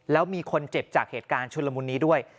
แล้วมีคนเจ็บจากเหตุการณ์ชุนละมุนนี้ด้วย